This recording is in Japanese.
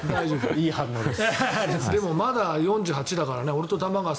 いい反応です。